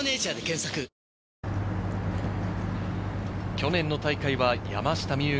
去年の大会は山下美夢